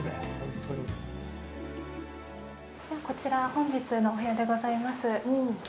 こちら、本日のお部屋でございます。